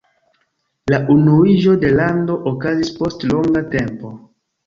La unuiĝo de lando okazis post longa tempo.